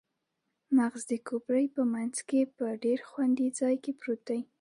مغز د کوپړۍ په مینځ کې په ډیر خوندي ځای کې پروت دی